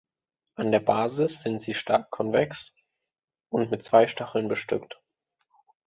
An der Basis sind sie stark konvex und mit zwei Stacheln bestückt.